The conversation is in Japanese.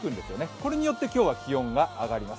これによって今日は気温が上がります。